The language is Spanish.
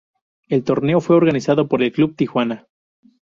El torneo fue organizado por el Club Tijuana.